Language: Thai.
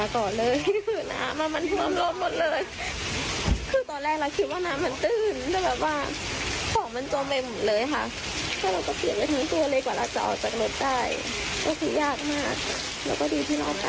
ก็คือยากมากแล้วก็ดีที่นอกใกล้มาได้